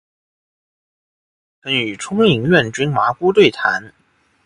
方平曾与冲应元君麻姑对谈。